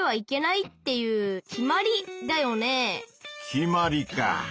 決まりか。